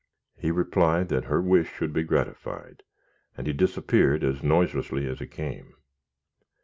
He replied that her wish should be gratified, and he disappeared as noiselessly as he came.